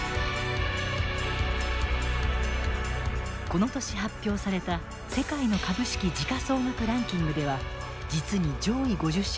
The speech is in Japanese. この年発表された世界の株式時価総額ランキングでは実に上位５０社中３２社が日本企業だった。